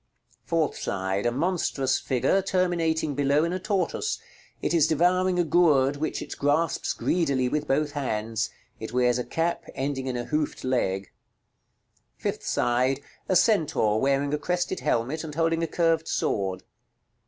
Fourth side. A monstrous figure, terminating below in a tortoise. It is devouring a gourd, which it grasps greedily with both hands; it wears a cap ending in a hoofed leg. Fifth side. A centaur wearing a crested helmet, and holding a curved sword.